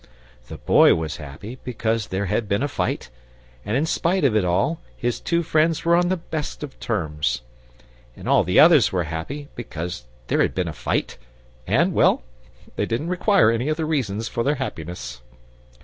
The Boy was happy because there had been a fight, and in spite of it all his two friends were on the best of terms. And all the others were happy because there had been a fight, and well, they didn't require any other reasons for their happiness.